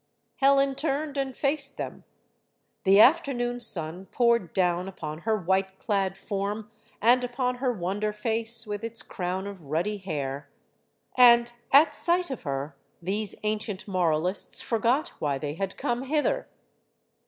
Helen turned and faced them. The afternoon sun poured down upon her white clad form and upon her wonder face with its crown of ruddy hair. And, at sight of her, these ancient moralists forgot why they had come hither.